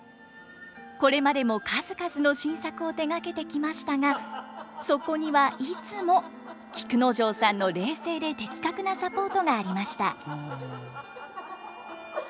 これまでも数々の新作を手がけてきましたがそこにはいつも菊之丞さんの冷静で的確なサポートがありました。